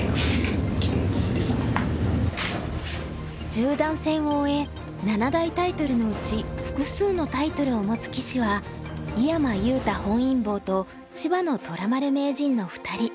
十段戦を終え七大タイトルのうち複数のタイトルを持つ棋士は井山裕太本因坊と芝野虎丸名人の２人。